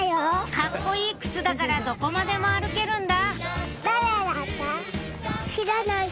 「カッコいい靴だからどこまでも歩けるんだ」